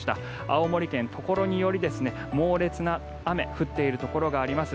青森県、ところにより猛烈な雨が降っているところがあります。